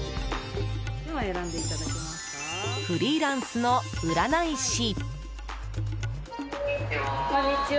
フリーランスの占い師。